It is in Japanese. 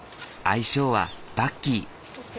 愛称はバッキー。